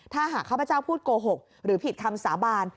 ถ้าหากข้าพเจ้าพูดโกหกหรือผิดคำสาบาน